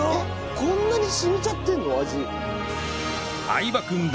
こんなに染みちゃってるの？